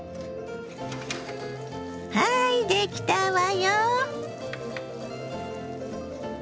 はいできたわよ。